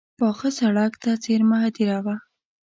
پاخه سړک ته څېرمه هدیره وه.